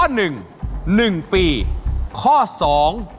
หนึ่งปีข้อสอง